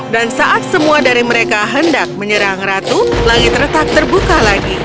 dan saat semua dari mereka hendak menyerang ratu langit retak terbuka lagi